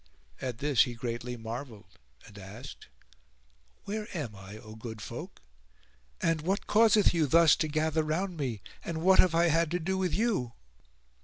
At this he greatly marvelled and asked, "Where am I, O good folk; and what causeth you thus to gather round me, and what have I had to do with you?"